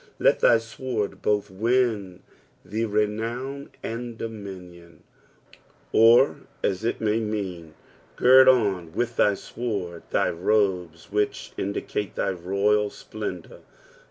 Let thy sword both win thee renown and dominion, or as it may mean, gird on with thy sword thy robes which indicate thy royal splendour.